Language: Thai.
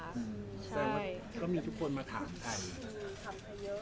แสดงว่าก็มีทุกคนมาถามใครถามใครเยอะ